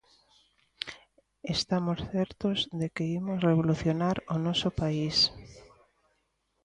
"Estamos certos de que imos revolucionar o noso país".